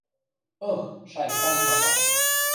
Ых, шайтан папа!